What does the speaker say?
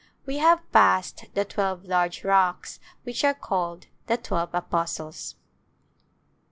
We have passed the twelve large rocks which are called " The Twelve Apostles."